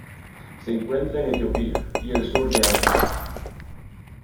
Se encuentra en Etiopía y el sur de África.